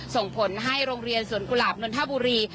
ส่งผลให้โรงเรียนสวนกุหลาบนนทบุรี